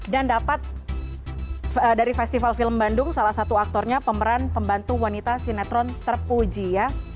dan dapat dari festival film bandung salah satu aktornya pemeran pembantu wanita sinetron terpuji ya